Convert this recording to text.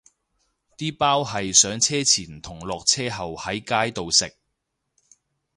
啲包係上車前同落車後喺街度食